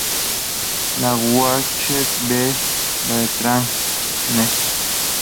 La Guerche-de-Bretagne